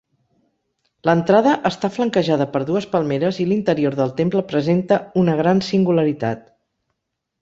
L'entrada està flanquejada per dues palmeres i l'interior del temple presenta una gran singularitat.